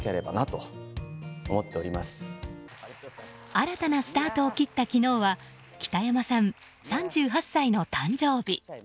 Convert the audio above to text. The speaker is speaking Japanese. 新たなスタートを切った昨日は北山さん、３８歳の誕生日。